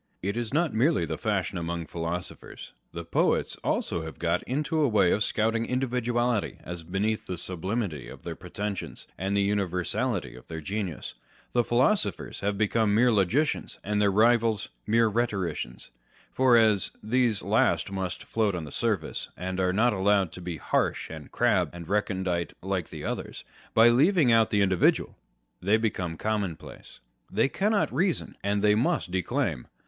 It is not merely the fashion among philosophers â€" the poets also have got into a way of scouting individuality as beneath the sublimity of their pretensions, and the univer sality of their genius. The philosophers have become mere logicians, and their rivals mere rhetoricians ; for as these last must float on the surface, and are not allowed to be harsh and craibbed and recondite like the others, by leaving out the individual, they become commonplace. 70 On Reason and Imagination. They cannot reason, and they must declaim.